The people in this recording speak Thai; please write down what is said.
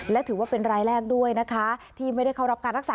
และถือว่าเป็นรายแรกด้วยนะคะที่ไม่ได้เข้ารับการรักษา